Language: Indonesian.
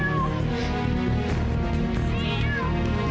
gue ada di rumah ya